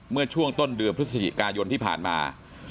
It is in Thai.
เมื่อช่วงต้นเดือนพฤศจิกายนที่ผ่านมา